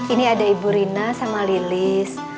ini ada ibu rina sama lilis